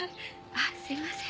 あっすいません。